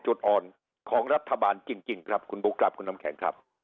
จุดอ่อนของรัฐบาลจริงครับคุณบุ๊คครับคุณน้ำแข็งครับ